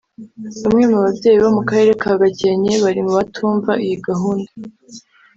Bamwe mu babyeyi bo mu karere ka Gakenke bari mu batumva iyi gahunda